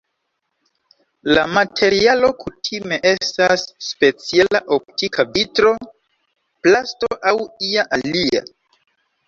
La materialo kutime estas speciala optika vitro, plasto aŭ ia alia.